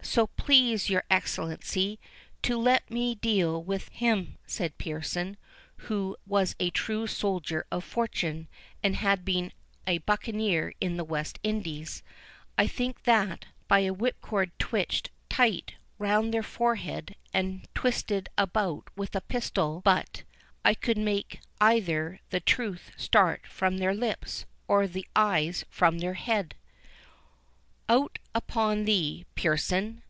"So please your Excellency, to let me deal with him," said Pearson, who was a true soldier of fortune, and had been a buccaneer in the West Indies, "I think that, by a whipcord twitched tight round their forehead, and twisted about with a pistol but, I could make either the truth start from their lips, or the eyes from their head." "Out upon thee, Pearson!"